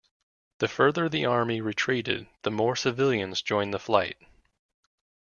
The further the army retreated, the more civilians joined the flight.